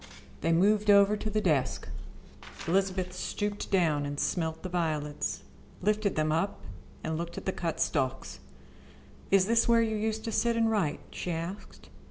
They moved over to the desk. Elizabeth stooped down and smelt the violets, lifted them up and looked at the cut stalks. "Is this where you used to sit and write?" she asked.